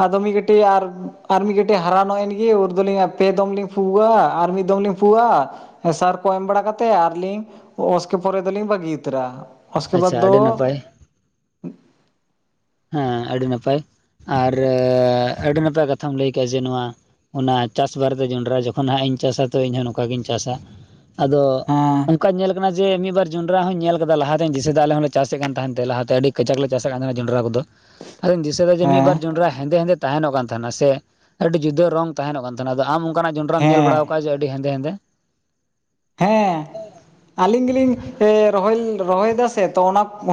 ᱟᱫᱚ ᱢᱤᱫ ᱠᱟᱹᱴᱤᱡ ᱟᱨ ᱟᱨ ᱢᱤᱫ ᱠᱟᱹᱴᱤᱡ ᱦᱟᱨᱟᱱᱚᱜ ᱮᱱᱜᱤ ᱩᱱ ᱫᱚᱞᱤᱧ ᱟᱨ ᱯᱮ ᱫᱚᱢ ᱞᱤᱧ ᱯᱷᱩᱜᱚᱜᱼᱟ, ᱟᱨ ᱢᱤᱫ ᱫᱚᱢ ᱞᱤᱧ ᱯᱩᱣᱟᱜᱼᱟ, ᱥᱟᱨ ᱠᱚ ᱮᱢ ᱵᱟᱲᱟ ᱠᱟᱛᱮ ᱟᱨᱞᱤᱧ ᱚᱥᱠᱮ ᱯᱚᱨᱮ ᱫᱚᱞᱤᱧ ᱵᱟᱜᱤ ᱩᱛᱟᱹᱨᱟ, ᱩᱥᱠᱮ ᱟᱪᱪᱷᱟ ᱵᱟᱫ ᱫᱚ ᱟᱹᱰᱤ ᱱᱟᱯᱟᱭ ᱦᱮᱸ ᱟᱹᱰᱤ ᱱᱟᱯᱟᱭ ᱟᱨ ᱟᱹᱰᱤ ᱱᱟᱯᱟᱭ ᱠᱟᱛᱷᱟᱢ ᱞᱟᱹᱭ ᱠᱮᱜᱼᱟ ᱡᱮ ᱱᱚᱣᱟ ᱚᱱᱟ ᱪᱟᱥ ᱵᱟᱨᱮᱛᱮ ᱡᱚᱸᱰᱨᱟ ᱡᱚᱠᱷᱚᱱ ᱦᱟᱸᱜ ᱤᱧ ᱪᱟᱥᱟ ᱛᱚ ᱤᱧ ᱦᱚᱸ ᱱᱚᱝᱠᱟ ᱜᱤᱧ ᱪᱟᱥᱟ᱾ ᱟᱫᱚ ᱦᱮᱸ ᱚᱱᱠᱟ ᱧᱮᱞ ᱠᱟᱱᱟ ᱡᱮ ᱢᱤᱫ ᱵᱟᱨ ᱡᱚᱸᱰᱨᱟ ᱦᱚᱸᱧ ᱧᱮᱞ ᱠᱟᱫᱟ ᱞᱟᱦᱟ ᱨᱮᱧ ᱫᱤᱥᱟᱹᱭ ᱫᱟ ᱟᱞᱮ ᱦᱚᱸᱞᱮ ᱪᱟᱥᱮᱜ ᱠᱟᱱ ᱛᱟᱦᱮᱸᱱ ᱛᱮ ᱞᱟᱦᱟᱛᱮ ᱟᱹᱰᱤ ᱠᱟᱡᱟᱠ ᱞᱮ ᱪᱟᱥᱮᱫ ᱠᱟᱱ ᱛᱟᱦᱮᱱ ᱡᱚᱸᱰᱨᱟ ᱠᱚᱫᱚ᱾ ᱟᱫᱚᱧ ᱫᱤᱥᱟᱹᱭ ᱫᱟ ᱡᱮ ᱢᱤᱫ ᱵᱟᱨ ᱦᱮᱸ ᱡᱚᱱᱰᱨᱟ ᱦᱮᱸᱫᱮ ᱦᱮᱸᱫᱮ ᱛᱟᱦᱮᱱᱚᱜ ᱠᱟᱱ ᱛᱟᱦᱮᱱᱟ ᱥᱮ ᱟᱹᱰᱤ ᱡᱩᱫᱟᱹ ᱨᱚᱝ ᱛᱟᱦᱮᱱᱚᱜ ᱠᱟᱱ ᱛᱟᱦᱮᱱᱟ ᱟᱫᱚ ᱟᱢ ᱚᱱᱠᱟᱱᱟᱜ ᱡᱚᱸᱰᱨᱟᱢ ᱧᱮᱞ ᱵᱟᱲᱟ ᱦᱮᱸ ᱚᱱᱠᱟ ᱡᱮ ᱟᱰᱤ ᱦᱮᱸᱫᱮ ᱦᱮᱸᱫᱮ᱾ ᱦᱮᱸ᱾ ᱟᱞᱤᱧ ᱜᱮᱞᱤᱧ ᱮᱸ ᱨᱚᱦᱚᱭ ᱨᱚᱦᱚᱭᱮᱫᱟ ᱥᱮ ᱛᱚ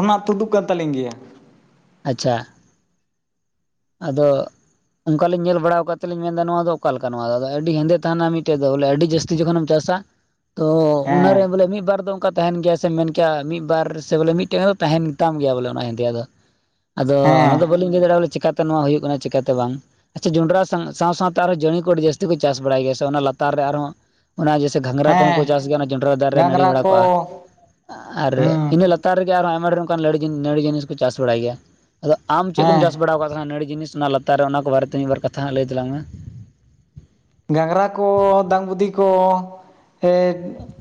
ᱚᱱᱟ ᱛᱩᱫᱩᱜ ᱠᱟᱱ ᱛᱟᱞᱤᱧ ᱜᱮᱭᱟ᱾ ᱟᱪᱪᱷᱟ᱾ ᱟᱫᱚ ᱚᱱᱠᱟᱞᱤᱧ ᱧᱮᱞ ᱵᱟᱲᱟᱣ ᱠᱟᱫ ᱛᱮᱞᱤᱧ ᱢᱮᱱᱫᱟ ᱱᱚᱣᱟ ᱫᱚ ᱚᱠᱟᱞᱮᱠᱟ ᱱᱚᱣᱟ ᱫᱚ ᱟᱹᱰᱤ ᱦᱮᱸᱫᱮ ᱛᱟᱦᱮᱱᱟ ᱢᱤᱫᱴᱮᱡ ᱫᱚ ᱵᱚᱞᱮ, ᱟᱹᱰᱤ ᱡᱟᱹᱥᱛᱤ ᱡᱟᱥᱛᱤ ᱡᱚᱠᱷᱚᱱᱮᱢ ᱪᱟᱥᱟ ᱛᱚ ᱦᱮᱸ ᱚᱱᱟᱨᱮ ᱵᱚᱞᱮ ᱢᱤᱫ ᱵᱟᱨ ᱫᱚ ᱚᱱᱠᱟ ᱛᱟᱦᱮᱱ ᱜᱮᱭᱟ ᱥᱮᱢ ᱢᱮᱱ ᱠᱮᱭᱟ ᱢᱤᱫ ᱵᱟᱨ ᱥᱮ ᱵᱚᱞᱮ ᱢᱤᱫᱴᱮᱱ ᱫᱚ ᱛᱟᱦᱮᱱ ᱜᱮᱛᱟᱢ ᱜᱮᱭᱟ ᱵᱚᱞᱮ ᱚᱱᱟ ᱦᱮᱸᱫᱮᱭᱟᱜ ᱫᱚ᱾ ᱟᱫᱚ ᱦᱮᱸ ᱚᱱᱟᱫᱚ ᱵᱟᱹᱞᱤᱧ ᱞᱟᱹᱭ ᱫᱟᱲᱮᱜᱼᱟ ᱵᱚᱞᱮ ᱪᱤᱠᱟᱛᱮ ᱱᱚᱣᱟ ᱦᱩᱭᱩᱜ ᱠᱟᱱᱟ ᱪᱤᱠᱟᱛᱮ ᱵᱟᱝ᱾ ᱟᱪᱪᱷᱟ ᱡᱚᱸᱰᱨᱟ ᱥᱟᱶ ᱥᱟᱶ ᱥᱟᱶᱛᱮ ᱟᱨᱦᱚᱸ ᱡᱟᱹᱲᱤ ᱠᱚ ᱟᱹᱰᱤ ᱡᱟᱹᱥᱛᱤ ᱠᱚ ᱪᱟᱥ ᱵᱟᱲᱟᱭ ᱜᱮᱭᱟ ᱥᱮ ᱚᱱᱟ ᱞᱟᱛᱟᱨ ᱨᱮ ᱟᱨᱦᱚᱸ ᱚᱱᱟ ᱡᱮᱭᱥᱮ ᱜᱷᱟᱸᱜᱽᱨᱟ ᱠᱚᱦᱚᱸ ᱦᱮᱸ ᱠᱚ ᱪᱟᱥ ᱜᱮᱭᱟ ᱚᱱᱟ ᱡᱚᱸᱰᱨᱟ ᱫᱟᱨᱮ ᱨᱮ ᱱᱟᱲᱤ ᱜᱷᱟᱸᱝᱨᱟ ᱵᱟᱲᱟ ᱠᱚ ᱠᱚᱜᱼᱟ, ᱟᱨ ᱦᱩᱸ ᱤᱱᱟᱹ ᱞᱟᱛᱟ ᱞᱟᱛᱟᱨ ᱨᱮᱜᱮ ᱟᱨᱦᱚᱸ ᱟᱭᱢᱟ ᱰᱷᱮᱨ ᱠᱟᱱ ᱞᱟᱹᱲ ᱡᱤᱱ ᱱᱟᱹᱲᱤ ᱡᱤᱱᱤᱥ ᱠᱚ ᱪᱟᱥ ᱵᱟᱲᱟᱭ ᱜᱮᱭᱟ᱾ ᱟᱫᱚ ᱟᱢ ᱪᱮᱫ ᱠᱚ ᱦᱮᱸ ᱪᱟᱥ ᱵᱟᱲᱟᱣ ᱟᱠᱟᱫ ᱱᱟᱹᱲᱤ ᱡᱤᱥ ᱞᱟᱛᱟᱨ ᱚᱱᱟ ᱠᱚ ᱵᱟᱨᱮᱛᱮ ᱢᱤᱫ ᱵᱟᱨᱛᱷᱟ ᱦᱟᱸᱜ ᱞᱟᱹᱭ ᱛᱟᱞᱟᱝ ᱢᱮ? ᱜᱷᱟᱸᱜᱽᱨᱟ ᱠᱚ ᱫᱟᱝ ᱵᱩᱫᱤ ᱠᱚ ᱼ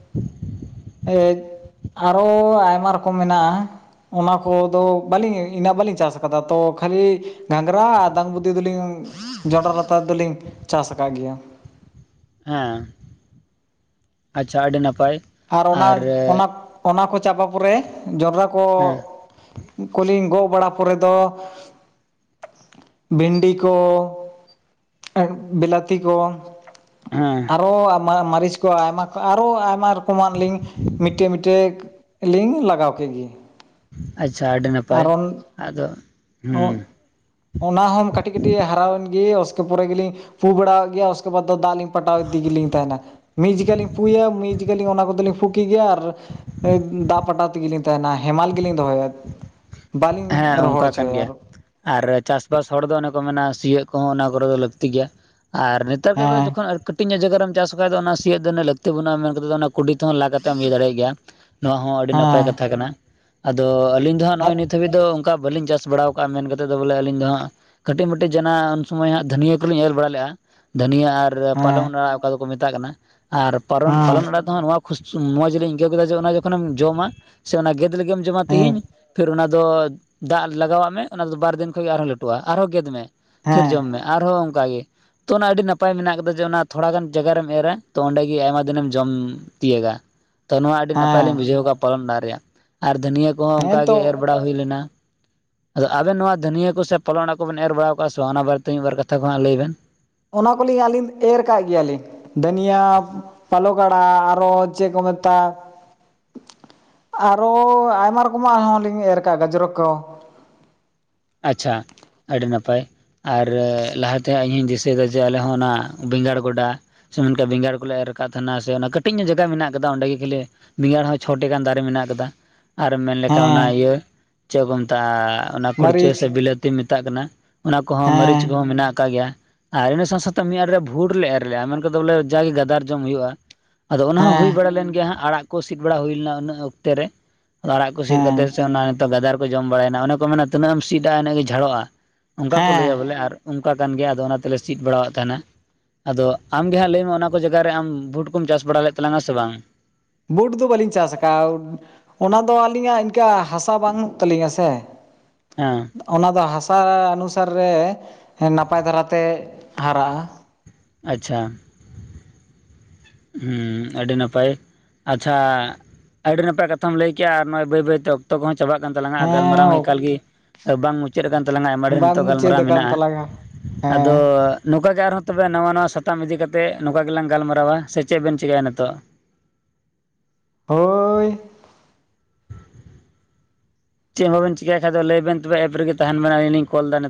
ᱮᱡᱽ ᱟᱨᱚ ᱟᱭᱢᱟ ᱨᱚᱠᱚᱢ ᱢᱮᱱᱟᱜᱼᱟ᱾ ᱚᱱᱟ ᱠᱚᱫᱚ ᱵᱟᱞᱤᱧ ᱤᱱᱟᱹᱜ ᱵᱟᱞᱤᱧ ᱪᱟᱥ ᱟᱠᱟᱫᱟ ᱛᱚ ᱠᱷᱟᱞᱤ ᱜᱷᱟᱸᱜᱽᱨᱟ ᱟᱨ ᱫᱟᱝ ᱵᱩᱫᱤ ᱫᱚᱞᱤᱧ ᱡᱚᱸᱱᱰᱨᱟ ᱨᱟᱛᱟᱨ ᱫᱚᱞᱤᱧ ᱪᱟᱥ ᱟᱠᱟᱜ ᱜᱮᱭᱟ᱾ ᱦᱮᱸ ᱟᱪᱷᱟ ᱟᱰᱤ ᱱᱟᱯᱟᱭ᱾ ᱟᱨ ᱚᱱᱟ ᱚᱱᱟ ᱚᱱᱟ ᱠᱚ ᱪᱟᱵᱟ ᱯᱚᱨᱮ ᱡᱚᱸᱱᱰᱨᱟ ᱠᱚ ᱦᱮᱸ - ᱠᱚᱞᱤᱧ ᱜᱚᱜ ᱵᱟᱲᱟ ᱯᱚᱨᱮ ᱫᱚ ᱵᱷᱤᱱᱰᱤ ᱠᱚ ᱵᱤᱞᱟᱛᱤ ᱠᱚ ᱼ ᱦᱮᱸ ᱚ ᱟᱨ ᱢᱟᱨᱤᱪ ᱠᱚ ᱟᱭᱢᱟ ᱠᱚ ᱟᱨᱚ ᱟᱭᱢᱟ ᱨᱚᱠᱚᱢᱟᱜ ᱞᱤᱧ ᱢᱤᱴᱟᱹᱜ ᱢᱤᱴᱟᱹᱜ ᱞᱤᱧ ᱞᱟᱜᱟᱣ ᱠᱮᱜ ᱜᱤ᱾ ᱟᱪᱷᱟ ᱟᱹᱰᱤ ᱱᱟᱯᱟᱭ ᱟᱫᱚ ᱚ ᱦᱮᱸ ᱚᱱᱟ ᱦᱚᱢ ᱠᱟᱹᱴᱤᱡ ᱠᱟᱹᱴᱤᱡ ᱦᱟᱨᱟ ᱞᱮᱱ ᱜᱤ ᱩᱥᱠᱮ ᱯᱚᱨᱮ ᱜᱮᱞᱤᱧ ᱼ ᱯᱩ ᱵᱟᱲᱟᱣᱟᱜ ᱜᱮᱭᱟ ᱩᱥᱠᱮ ᱵᱟᱫ ᱫᱚ ᱫᱟᱜ ᱤᱧ ᱯᱟᱴᱟᱣ ᱤᱫᱤᱜᱮᱞᱤᱧ ᱛᱟᱦᱮᱱᱟ᱾ ᱢᱤᱫ ᱡᱮᱠᱷᱟᱹ ᱞᱤᱧ ᱯᱩᱭᱟ ᱢᱤᱫ ᱡᱮᱠᱷᱟᱹ ᱞᱤᱧ ᱠᱟᱞᱤᱧ ᱚᱱᱟ ᱠᱚᱫᱚ ᱞᱤᱧ ᱯᱩ ᱠᱮᱜ ᱜᱤ ᱟᱨᱼ ᱦᱳᱭ ᱫᱟᱜ ᱯᱟᱴᱟᱣ ᱛᱮᱜᱮᱞᱤᱧ ᱛᱟᱦᱮᱱᱟ ᱦᱮᱢᱟᱞ ᱜᱮᱞᱤᱧ ᱫᱚᱦᱚᱭᱟ᱾ ᱵᱟᱞᱤᱧ ᱦᱮᱸ ᱨᱚᱦᱚᱲ ᱚᱱᱠᱟ ᱦᱚᱪᱚᱼ ᱠᱟᱱ ᱜᱮᱭᱟ ᱟᱨ ᱪᱟᱥᱵᱟᱥ ᱦᱚᱲ ᱫᱚ ᱚᱱᱮ ᱠᱚ ᱢᱮᱱᱟ ᱥᱤᱭᱳᱜ ᱠᱚᱦᱚ ᱚᱱᱟ ᱠᱚᱨᱮ ᱠᱚ ᱞᱟᱹᱠᱛᱤ ᱜᱮᱭᱟ, ᱟᱨ ᱱᱤᱛ ᱼ ᱱᱮᱛᱟᱨ ᱠᱟᱛᱮ ᱫᱚ ᱦᱮᱸ ᱡᱚᱠᱷᱚᱱ ᱠᱟᱹᱴᱤᱡᱚᱜ ᱡᱟᱜᱟᱨᱮᱢ ᱪᱟᱥ ᱟᱠᱟ ᱠᱷᱡ ᱫᱚ ᱚᱱᱟ ᱥᱤᱭᱳᱜ ᱫᱚ ᱩᱱᱟᱹ ᱞᱟᱹᱠᱛᱤ ᱵᱟᱹᱱᱩᱜᱼᱟ, ᱢᱮᱱ ᱠᱟᱛᱷᱟ ᱚᱱᱟ ᱼ ᱠᱩᱰᱤ ᱛᱮᱦᱚᱸ ᱞᱟ ᱠᱟᱛᱮ ᱮᱢ ᱤᱭᱟᱹ ᱫᱟᱲᱮᱭᱟᱜ ᱜᱮᱭᱟ ᱱᱚᱶᱟ ᱦᱚᱸ ᱟᱹᱰᱤ ᱱᱟᱯᱟᱭ ᱦᱮᱸ ᱠᱟᱛᱷᱟ ᱠᱟᱱᱟ ᱟᱫᱚ ᱟᱞᱤᱧ ᱫᱚ ᱦᱟᱸᱜ ᱱᱚᱜᱚᱭ ᱦᱮᱸ ᱱᱤᱛᱼ ᱱᱤᱛ ᱫᱷᱟᱹᱵᱤᱡ ᱫᱚ ᱚᱱᱠᱟ ᱵᱟᱹᱞᱤᱧ ᱪᱟᱥ ᱵᱟᱲᱟᱣ ᱠᱟᱜᱼᱟ ᱢᱮᱱ ᱠᱟᱛᱮᱫ ᱫᱚ ᱵᱚᱞᱮ ᱟᱹᱞᱤᱧ ᱫᱚ ᱦᱟᱸᱜ ᱠᱟᱹᱴᱤᱡ ᱢᱟᱹᱴᱤᱡ ᱡᱮ ᱚᱱᱟ ᱩᱱ ᱥᱚᱢᱚᱭ ᱦᱟᱸᱜ ᱫᱷᱟᱹᱱᱤᱭᱟᱹ ᱠᱚᱞᱤᱧ ᱮᱞ ᱵᱟᱲᱟ ᱞᱮᱜᱼᱟ᱾ ᱫᱷᱟᱱᱤᱭᱟᱹ ᱼ ᱟᱨ ᱦᱮᱸ ᱯᱟᱞᱚᱱ ᱟᱲᱟᱜ ᱚᱠᱟ ᱫᱚᱠᱚ ᱢᱮᱛᱟᱜ ᱠᱟᱱᱟ ᱟᱨ ᱯᱟᱨᱚᱱ ᱯᱟᱞᱚᱱ ᱟᱲᱟᱜ ᱱᱚᱶᱟ ᱠᱷᱩᱥ ᱱᱚᱣᱟ ᱡᱮᱞᱤᱧ ᱟᱹᱭᱠᱟᱹᱣ ᱠᱮᱫᱟ ᱚᱱᱟ ᱡᱚᱠᱷᱚᱱᱮᱢ ᱡᱚᱢᱟ ᱥᱮ ᱚᱱᱟ ᱜᱮᱫᱽ ᱞᱟᱜᱤᱫ ᱮᱢ ᱡᱚᱢᱟ ᱦᱮᱸ ᱛᱤᱦᱤᱧ ᱯᱷᱤᱨ ᱚᱱᱟ ᱛᱚᱡ ᱫᱟᱜ ᱞᱟᱜᱟᱣᱟᱜ ᱢᱮ ᱚᱱᱟ ᱫᱚ ᱵᱟᱨ ᱫᱤᱱ ᱠᱷᱚᱱ ᱟᱨᱦᱚᱸ ᱞᱟᱹᱴᱩᱜ-ᱟ ᱟᱨᱦᱚᱸ ᱜᱮᱫᱽ ᱢᱮ ᱛᱷᱤᱨ ᱦᱮᱸ ᱦᱮᱸ ᱡᱚᱢ ᱢᱮ᱾ ᱟᱨ ᱦᱚᱸ ᱚᱝᱠᱟ ᱜᱮ ᱛᱚ ᱚᱱᱟ ᱟᱹᱰᱤ ᱱᱟᱯᱟᱭ ᱢᱮᱱᱟᱜ ᱠᱟᱫᱟ ᱡᱮ ᱚᱱᱟ ᱛᱷᱚᱲᱟ ᱜᱟᱱ ᱡᱟᱜᱟᱨᱮᱢ ᱮᱨᱟ ᱛᱚ ᱚᱸᱰᱮ ᱜᱮ ᱟᱭᱢᱟ ᱫᱤᱱᱮᱢ ᱡᱚᱢ ᱛᱤᱭᱟᱹᱜᱟ ᱛᱚ ᱱᱚᱣᱟ ᱟᱹᱰᱤ ᱱᱟᱯᱟᱭ ᱞᱤᱧ ᱵᱩᱡᱷᱟᱹᱣ ᱠᱟ ᱯᱟᱨᱚᱢ ᱱᱟ ᱨᱮᱭᱟᱜ ᱟᱨ ᱫᱩᱱᱭᱟᱹ ᱠᱚᱦᱚᱸ ᱦᱮᱸ ᱚᱝᱠᱟ ᱜᱮ ᱮᱨ ᱦᱮᱸᱛᱚ ᱟ ᱦᱩᱭ ᱞᱮᱱᱟ᱾ ᱟᱫᱚ ᱟᱵᱮᱱ ᱱᱚᱣᱟ ᱫᱷᱩᱱᱤᱭᱟᱹ ᱠᱚ ᱥᱮ ᱯᱟᱞᱚᱱ ᱟᱲᱟᱜ ᱠᱚᱵᱮᱱ ᱮᱨ ᱵᱟᱲᱟᱣ ᱠᱟᱜ-ᱟ ᱥᱮ ᱵᱟᱝ ᱚᱱᱟ ᱵᱟᱨᱮᱛᱮ ᱢᱤᱫ ᱵᱟᱨ ᱠᱟᱛᱷᱟ ᱠᱚ ᱦᱟᱸᱜ ᱞᱟᱹᱭ ᱵᱮᱱ ᱚᱱᱟ ᱠᱚᱞᱤᱧ ᱟᱹᱞᱤᱧ ᱮᱨ ᱠᱟᱜ ᱜᱮᱭᱟᱞᱤᱧ᱾ ᱫᱷᱟ. ᱭᱟ. ᱯᱟᱞᱚᱠ ᱟᱲᱟᱜ, ᱟᱨᱚ ᱪᱮᱫ ᱠᱚ ᱢᱮᱛᱟ? ᱟᱨᱚ ᱟᱭᱢᱟ ᱨᱚᱠᱚᱢᱟᱜ ᱦᱚᱸ ᱞᱤᱧ ᱮᱨ ᱠᱟᱜ-ᱟ ᱜᱟᱡᱽᱨᱚᱠ ᱠᱚ ᱟᱪᱪᱷᱟ ᱟᱹᱰᱤ ᱱᱟᱯᱟᱭ᱾ ᱟᱨ ᱞᱟᱦᱟᱛᱮ ᱤᱧᱤᱧ ᱫᱤᱥᱟᱹᱭ ᱫᱟ ᱡᱮ ᱟᱞᱮ ᱦᱚᱸ ᱚᱱᱟ ᱵᱮᱸᱜᱟᱲ ᱜᱚᱰᱟ ᱥᱮ ᱢᱮᱱᱠᱟ ᱵᱮᱸᱜᱟᱲ ᱠᱚᱞᱮ ᱮᱨ ᱠᱟᱜ ᱛᱟᱦᱮᱱᱟ ᱥᱮ ᱚᱱᱟ ᱠᱟᱹᱴᱤᱡ ᱧᱚᱜ ᱡᱟᱭᱜᱟ ᱢᱮᱱᱟᱜ ᱠᱟᱫᱟ ᱚᱸᱰᱮ ᱜᱮ ᱠᱷᱟᱹᱞᱤ ᱵᱮᱸᱜᱟᱲ ᱦᱚᱸ ᱪᱷᱚ ᱴᱮᱜ ᱜᱟᱱ ᱫᱟᱨᱮ ᱢᱮᱱᱟᱜ ᱠᱟᱫᱟ᱾ ᱟᱨᱮᱢ ᱢᱮᱱ ᱞᱮᱠᱷᱟᱱ ᱚᱱᱟ ᱦᱮᱸ ᱤᱭᱟᱹ ᱪᱮᱫ ᱠᱚ ᱢᱮᱛᱟᱜ-ᱟ ᱚᱱᱟ ᱠᱩᱲᱼ ᱪᱟᱹ ᱢᱟᱹᱨᱤᱪ ᱥᱮ ᱵᱤᱞᱟᱹᱛᱤ ᱢᱮᱛᱟᱜ ᱠᱟᱱᱟ ᱚᱱᱟ ᱠᱚᱦᱚᱸ ᱢᱟᱹᱨᱤᱪ ᱦᱮᱸ ᱠᱚᱦᱚᱸ ᱢᱮᱱᱟᱜ ᱠᱟᱜ ᱜᱮᱭᱟ᱾ ᱟᱨ ᱤᱱᱟᱹ ᱥᱟᱶ ᱥᱟᱶᱛᱮ ᱢᱤᱫ ᱟᱨᱚ ᱵᱷᱩᱴ ᱞᱮ ᱮᱨᱻ ᱞᱮᱼᱟ ᱢᱮᱱᱠᱷᱟᱱ ᱫᱚ ᱵᱚᱞᱮ ᱡᱟᱜᱮ ᱜᱟᱫᱟᱨ ᱡᱚᱢ ᱦᱩᱭᱩᱜ-ᱟ᱾ ᱟᱫᱚ ᱚᱱᱟ ᱦᱚᱸ ᱦᱮᱸ ᱦᱩᱭ ᱵᱟᱲᱟ ᱞᱮᱱ ᱜᱮᱭᱟ ᱦᱟᱸᱜ ᱟᱲᱟᱜ ᱠᱚ ᱥᱤᱫ ᱵᱟᱲᱟ ᱦᱩᱭ ᱞᱮᱱᱟ ᱩᱱᱟᱹᱜ ᱚᱠᱛᱮ ᱨᱮ ᱟᱫᱚ ᱟᱲᱟᱜ ᱠᱚ ᱥᱤᱫ ᱦᱮᱸ ᱠᱟᱛᱮ ᱥᱮ ᱚᱱᱟ ᱱᱤᱛᱚᱜ ᱜᱟᱫᱟᱨ ᱠᱚ ᱡᱚᱢ ᱵᱟᱲᱟᱭ ᱢᱮ ᱠᱚ ᱢᱮᱱᱟ ᱛᱤᱱᱟᱹᱜ ᱮᱢ ᱥᱤᱫᱟ ᱤᱱᱟᱹᱜ ᱜᱮ ᱡᱷᱟᱲᱚᱜ-ᱟ᱾ ᱚᱝᱠᱟ ᱠᱚ ᱞᱟᱹᱭᱟ ᱦᱮᱸ ᱵᱚᱞᱮ ᱟᱨ ᱚᱝᱠᱟ ᱠᱟᱱ ᱜᱮᱭᱟ ᱟᱫᱚ ᱚᱱᱟ ᱛᱮᱞᱮ ᱥᱤᱫ ᱵᱟᱲᱟᱦᱟᱜ ᱛᱟᱦᱮᱱᱟ᱾ ᱟᱫᱚ ᱟᱢᱜᱮ ᱦᱟᱸᱜ ᱞᱟᱹᱭ ᱢᱮ ᱚᱱᱟ ᱠᱚ ᱡᱟᱜᱟ ᱨᱮ ᱟᱢ ᱵᱩᱴ ᱠᱚᱢ ᱪᱟᱥ ᱵᱟᱲᱟ ᱞᱮᱫ ᱛᱟᱞᱟᱝᱟ ᱥᱮ ᱵᱟᱝ? ᱵᱩᱴ ᱫᱚ ᱵᱟᱹᱞᱤᱧ ᱪᱟᱥ ᱟᱠᱟᱫ-ᱟ᱾ ᱚᱱᱟ ᱫᱚ ᱟᱹᱞᱤᱧᱟᱜ ᱤᱱᱠᱟᱹ ᱦᱟᱥᱟ ᱵᱟᱱᱩᱜ ᱛᱟᱹᱞᱤᱧᱟ ᱥᱮ᱾ ᱦᱮᱸ ᱚᱱᱟ ᱫᱚ ᱦᱟᱥᱟ ᱚᱱᱩᱥᱟᱨ ᱨᱮ ᱱᱟᱯᱟᱭ ᱫᱷᱟᱨᱟ ᱛᱮ ᱦᱟᱨᱟᱜ-ᱟ᱾ ᱟᱪᱷᱟ ᱦᱩᱸ ᱟᱹᱰᱤ ᱱᱟᱯᱟᱭ ᱟᱪᱪᱷᱟ ᱟᱹᱰᱤ ᱱᱟᱯᱟᱭ ᱠᱟᱛᱷᱟᱢ ᱞᱟᱹᱭ ᱠᱮᱼᱟ ᱟᱨ ᱟᱹᱰᱤ ᱱᱟᱯᱟᱭ ᱠᱟᱛᱷᱟᱢ ᱞᱟᱹᱭ ᱠᱮᱜ-ᱟ ᱟᱨ ᱵᱟᱹᱭ ᱵᱟᱹᱭᱛᱮ ᱚᱠᱛᱚ ᱠᱚᱦᱚᱸ ᱪᱟᱵᱟᱜ ᱠᱟᱱ ᱛᱟᱞᱟᱝᱟ ᱟᱨ ᱜᱟᱞᱢᱟᱨᱟᱣ ᱦᱚᱸ ᱦᱮᱸ ᱮᱠᱟᱞ ᱜᱮ ᱵᱟᱝ ᱢᱩᱪᱟᱹᱫ ᱠᱟᱱ ᱛᱟᱞᱟᱝᱟ ᱟᱭᱢᱟ ᱰᱷᱮᱨ ᱵᱟᱝ ᱱᱤᱛᱚᱜ ᱢᱩᱪᱟᱹᱫ ᱜᱟᱞᱢᱟᱨᱟᱣ ᱟᱠᱟᱱ ᱢᱮᱱᱟᱜ-ᱟ ᱛᱟᱞᱟᱝᱟ ᱾ ᱟᱫᱚ ᱦᱮᱸ ᱱᱚᱠᱟ ᱜᱮ ᱟᱨᱦᱚᱸ ᱛᱚᱵᱮ ᱱᱟᱣᱟ ᱱᱟᱣᱟ ᱥᱟᱛᱟᱢ ᱤᱫᱤ ᱠᱟᱛᱮ ᱱᱚᱠᱟ ᱜᱮᱞᱟᱝ ᱜᱟᱞᱢᱟᱨᱟᱣᱟ ᱾ ᱥᱮ ᱪᱮᱫ ᱵᱮᱱ ᱪᱤᱠᱟᱹᱭᱟ ᱱᱤᱛᱚᱜ? ᱦᱳᱭ ᱪᱮᱫ ᱦᱚᱸ ᱵᱟᱵᱮᱱ ᱪᱤᱠᱟᱭ ᱠᱷᱟ ᱫᱚ ᱞᱟᱹᱭ ᱵᱮᱱ ᱛᱚᱵᱮ ᱮᱯ ᱨᱮᱜᱮ ᱛᱟᱦᱮᱱ ᱢᱮ ᱟᱞᱤᱧ ᱞᱤᱧ ᱠᱚᱞ ᱫᱟ ᱱᱤᱛᱚᱜ ᱾